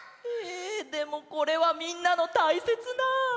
えでもこれはみんなのたいせつな。